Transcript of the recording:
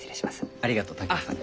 ありがとう竹雄さん。